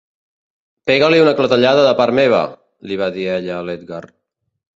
"Pega-li una clatellada de part meva!", li va dir ella a l'Edgar.